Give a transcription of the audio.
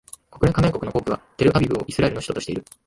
国連加盟国の多くはテルアビブをイスラエルの首都としている